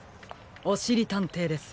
おしりたんていです。